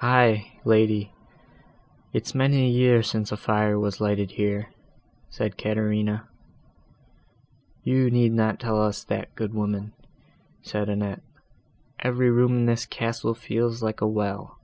"Aye, lady, it's many a year since a fire was lighted here," said Caterina. "You need not tell us that, good woman," said Annette; "every room in the castle feels like a well.